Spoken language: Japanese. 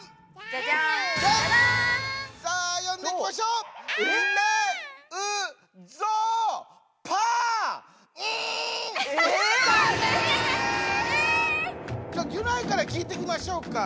じゃあギュナイから聞いていきましょうか。